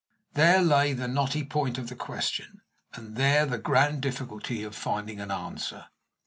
There lay the knotty point of the question, and there the grand difficulty of finding an answer.